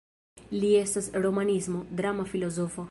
Li estas romanisto, drama filozofo.